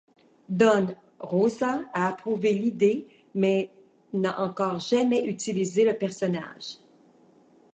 Don Rosa a approuvé l'idée, mais n'a encore jamais utilisé le personnage.